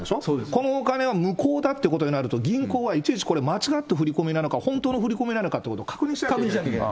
このお金を無効だっていうことになると、銀行はいちいちこれ、間違った振り込みなのか、本当の振り込みなのかっていうのを確認しなきゃいけない。